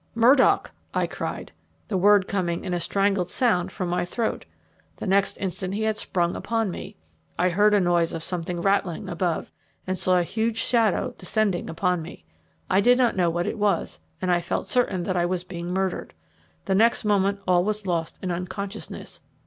"'Murdock!' I cried, the word coming in a strangled sound from my throat. The next instant he had sprung upon me. I heard a noise of something rattling above, and saw a huge shadow descending upon me. I did not know what it was, and I felt certain that I was being murdered. The next moment all was lost in unconsciousness.